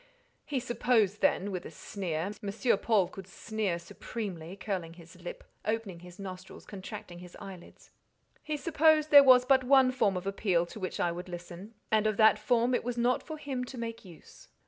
He supposed then (with a sneer—M. Paul could sneer supremely, curling his lip, opening his nostrils, contracting his eyelids)—he supposed there was but one form of appeal to which I would listen, and of that form it was not for him to make use.